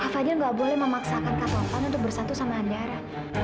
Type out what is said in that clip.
kak fadil gak boleh memaksakan kak tava untuk bersatu sama andara